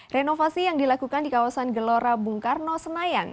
renovasi yang dilakukan di kawasan gelora bung karno senayan